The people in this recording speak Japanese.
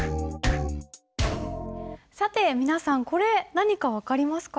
さて皆さんこれ何か分かりますか？